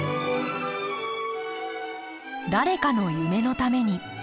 誰かの夢のために。